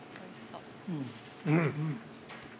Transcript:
◆うん。